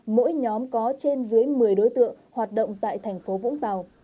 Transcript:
mỗi nhóm có trên dưới một mươi đối tượng hoạt động tại tp vũng tàu